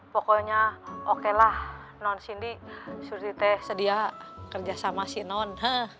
pokoknya oke lah non sindi suruh surti teh sedia kerja sama si non